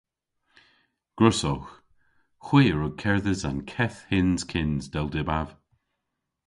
Gwrussowgh. Hwi a wrug kerdhes an keth hyns kyns dell dybav.